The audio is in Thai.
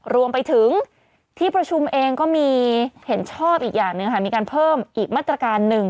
รวมไปถึงที่ประชุมเองก็มีเห็นชอบอีกอย่างหนึ่งค่ะมีการเพิ่มอีกมาตรการหนึ่ง